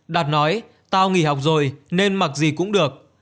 đạt nói ta nghỉ học rồi nên mặc gì cũng được